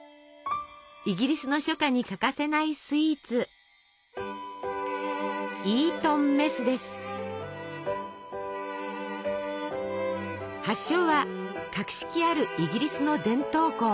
イギリスの初夏に欠かせないスイーツ発祥は格式あるイギリスの伝統校。